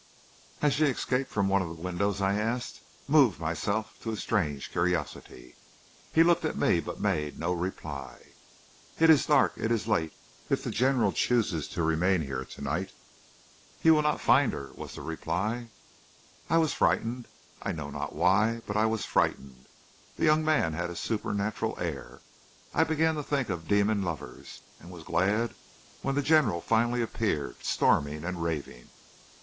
"'Has she escaped from one of the windows?' I asked, moved myself to a strange curiosity. "He looked at me, but made no reply. "'It is dark; it is late. If the general chooses to remain here to night ' "'He will not find her,' was the reply. "I was frightened I know not why, but I was frightened. The young man had a supernatural air. I began to think of demon lovers, and was glad when the general finally appeared, storming and raving.